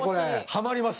ハマります